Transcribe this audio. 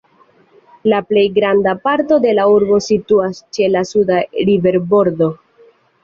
La plej granda parto de la urbo situas ĉe la suda riverbordo.